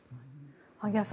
萩谷さん